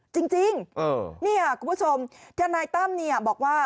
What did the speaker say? จริงนี่คุณผู้ชมธนายตั้มบอกว่า